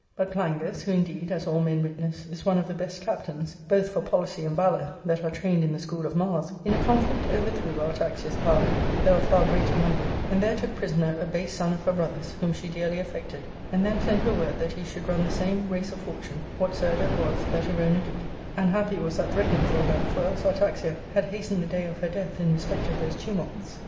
But Plangus, who, indeed, as all men witness, is one of the best captains, both for poHcy and valour, that are trained in the school of Mars, in a conflict overthrew Artaxia's power, though of far greater number, and there took prisoner a base son of her brother's, whom she dearly affected, and then sent her word that he should run the same race of fortune, whatsoever it was, that Erona did ; and happy was that threatening for her, for §lse Artaxia had hastened the day of her death in respect of those tumults.